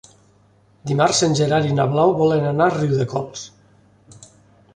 Dimarts en Gerard i na Blau volen anar a Riudecols.